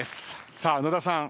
さあ野田さん